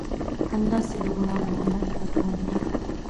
همداسې د غلام محمد افغانپور